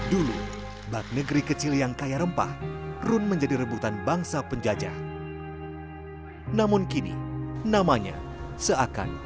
dulu bak negeri kecil yang kaya rempah run menjadi rebutan bangsa penjajah namun kini namanya seakan